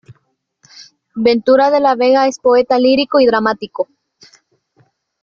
Ventura de la Vega es poeta lírico y dramático.